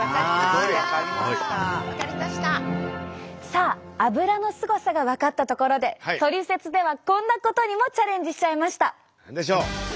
さあアブラのすごさが分かったところでトリセツではこんなことにもチャレンジしちゃいました。